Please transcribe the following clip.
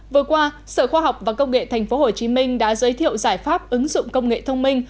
vừa qua sở khoa học và công nghệ tp hcm đã giới thiệu giải pháp ứng dụng công nghệ thông minh